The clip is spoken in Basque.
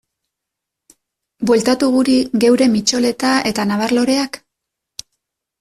Bueltatu guri geure mitxoleta eta nabar-loreak?